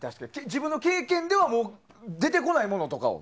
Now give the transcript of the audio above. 自分の経験では出てこないものとかを。